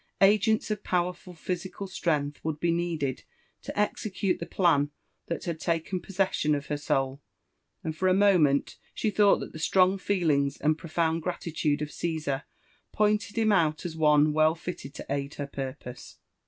Agents of powerful physical slarength would be needed to execute the plan that had taken possession of her soul, and for a moasent she thought that the streagfeeUogs a^d profound gratitude of Caesar pointed him out as one well fitted to aid her purpose.